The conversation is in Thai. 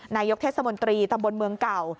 นายกเทศมนตรีตำบลเมืองเก่า